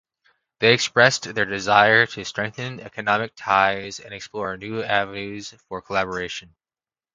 They expressed their desire to strengthen economic ties and explore new avenues for collaboration.